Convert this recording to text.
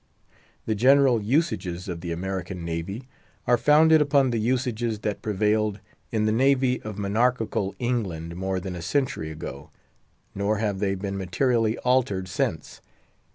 The general usages of the American Navy are founded upon the usages that prevailed in the navy of monarchical England more than a century ago; nor have they been materially altered since.